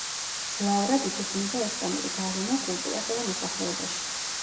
მძლავრად იგრძნობა ესპანური გავლენა კულტურასა და მოსახლეობაში.